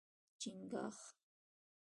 🦀 چنګاښ